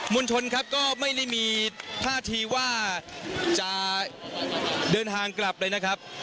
ลชนครับก็ไม่ได้มีท่าทีว่าจะเดินทางกลับเลยนะครับ